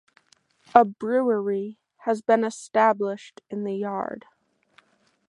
A brewery had been established in the yard.